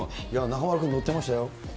中丸君、乗ってましたよ。